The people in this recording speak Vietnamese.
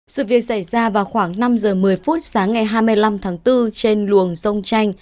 sự việc xảy ra vào khoảng năm giờ một mươi phút sáng ngày hai mươi năm tháng bốn trên luồng sông chanh